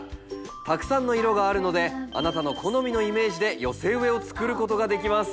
たくさんの色があるのであなたの好みのイメージで寄せ植えを作ることができます。